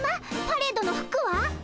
パレードの服はっ？